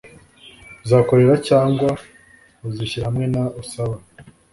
uzakorera cyangwa uzishyira hamwe n usaba